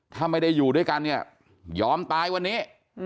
ถ้าไม่ได้อยู่ด้วยกันเนี่ยยอมตายวันนี้